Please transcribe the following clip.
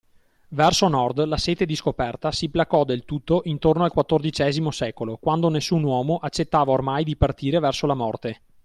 Verso Nord, la sete di scoperta si placò del tutto intorno al XIV secolo, quando nessun uomo accettava ormai di partire verso la morte.